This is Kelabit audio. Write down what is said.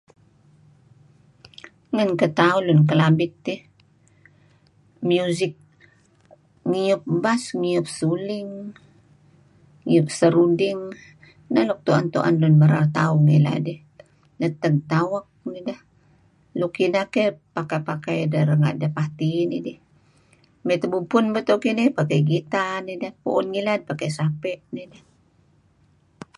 Ngan ketauh lun Kelabit eh, music ngiyup bass ngiyup suling, ngiyup seruding neh nuk tu'en-tu'en lun merar tauh ngilad eh. Neteg tawak nideh, luk ineh keh pakai-pakai deh renga' deh party nidih. Mey tabubpun beto' kinih pakai gitar nideh. Pu'un malem pakai sape' nideh.